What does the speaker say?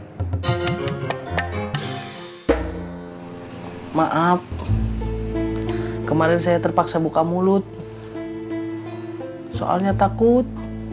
hai maaf kemarin saya terpaksa buka mulut soalnya takut